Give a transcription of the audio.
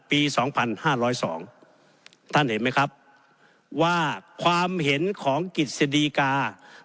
๒๕๐๒ท่านเห็นไหมครับว่าความเห็นของกิจสดีกา